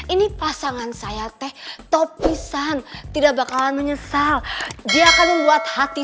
ini pasangan saya teh topisan tidak bakalan menyesal dia akan membuat hati